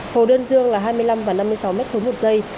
hồ đơn dương là hai mươi năm và năm mươi sáu m ba một giây